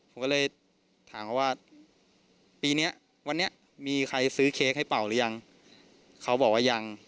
ผมก็เลยถามเขาว่าปีเนี้ยวันนี้มีใครซื้อเค้กให้เป่าหรือยังเขาบอกว่ายัง